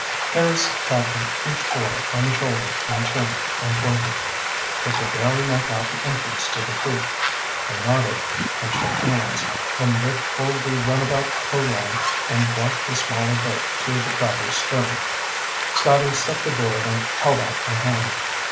Harris tapped each boy on the shoulder in turn, and pointed. They could barely make out the entrance to the creek. They nodded, and shook hands, then Rick pulled the runabout towline and brought the smaller boat to the crabber's stern. Scotty stepped aboard and held out a hand.